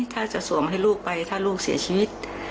ถ้าจะสวมให้ลูกไปถ้าลูกเสียชีวิต